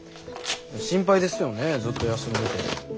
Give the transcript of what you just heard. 心配ですよねずっと休んでて。